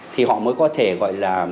thì họ mới có thể gọi là